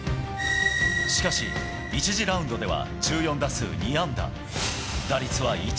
しかし、１次ラウンドでは１４打数２安打。